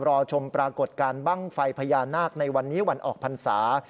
รอชมปรากฏการณ์บ้างไฟพญานาคในวันนี้วันออกพรรษา